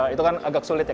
itu kan agak sulit ya